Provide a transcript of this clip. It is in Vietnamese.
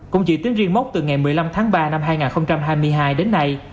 công trị tiến riêng mốc từ ngày một mươi năm tháng ba năm hai nghìn hai mươi hai đến nay